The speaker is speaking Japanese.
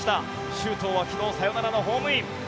周東は昨日サヨナラのホームイン。